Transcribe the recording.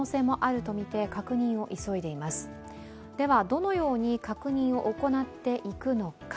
どのように確認を行っていくのか。